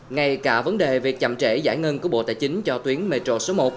ngay cả vấn đề việc chậm trễ giải ngân của bộ tài chính cho tuyến metro số một